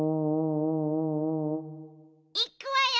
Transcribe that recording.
いっくわよ。